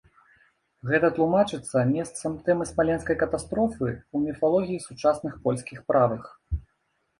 Гэта тлумачыцца месцам тэмы смаленскай катастрофы ў міфалогіі сучасных польскіх правых.